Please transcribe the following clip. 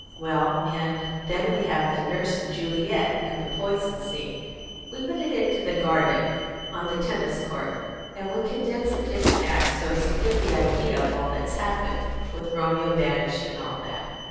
Well, and then we have the Nurse and Juliet, and the poison scene we put it into the garden, on the tennis court, and we condense the different acts so as to give an idea of all that's happened, with Romeo banished, and all that.